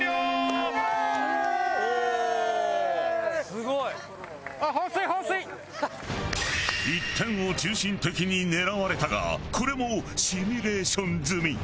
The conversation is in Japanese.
すごい！一点を中心的に狙われたがこれもシミュレーション済み。